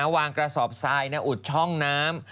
กระสอบทรายอุดช่องน้ำ